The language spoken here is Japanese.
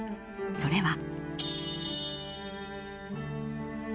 それは。